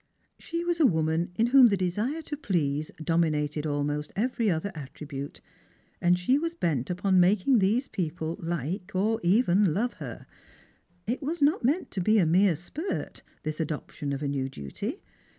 She was a woman in whom the desire to please dominated almost every other attribute, and she was bent upon making these people like or even love her. It was not to be a mere spurt, this adoption of a new duty.